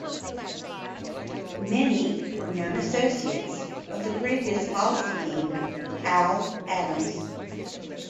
Many were known associates of the previous policy king Al Adams.